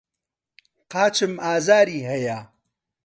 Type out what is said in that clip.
قاچم ئازاری هەیە.